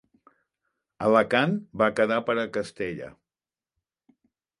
Alacant va quedar per a Castella.